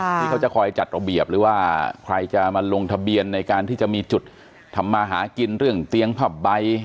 ที่เขาจะคอยจัดระเบียบหรือว่าใครจะมาลงทะเบียนในการที่จะมีจุดทำมาหากินเรื่องเตียงผ้าใบ